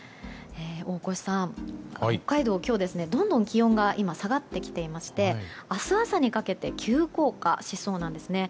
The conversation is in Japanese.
大越さん、北海道は今日どんどん気温が今、下がってきていまして明日朝にかけて急降下しそうなんですね。